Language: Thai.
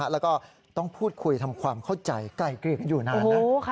แล้วก็ต้องพูดคุยทำความเข้าใจไกลเกลี่ยกันอยู่นานนะ